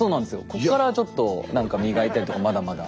こっからちょっとなんか磨いたりとかまだまだ。